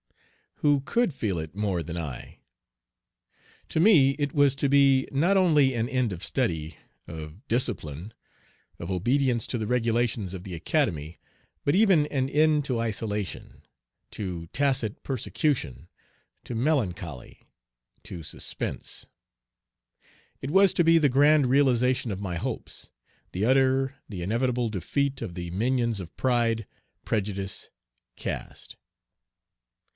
Who could feel it more than I? To me it was to be not only an end of study, of discipline, of obedience to the regulations of the Academy, but even an end to isolation, to tacit persecution, to melancholy, to suspense. It was to be the grand realization of my hopes, the utter, the inevitable defeat of the minions of pride, prejudice, caste.